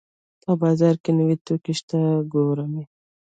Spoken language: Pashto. په بازار کې نوې توکي شته ګورم یې